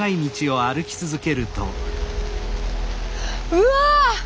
うわ！